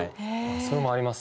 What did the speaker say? それもあります。